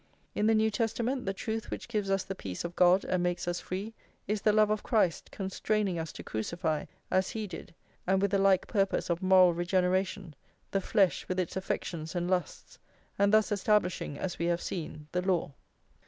In the New Testament, the truth which gives us the peace of God and makes us free, is the love of Christ constraining us to crucify, as he did, and with a like purpose of moral regeneration, the flesh with its affections and lusts, and thus establishing, as we have seen, the law.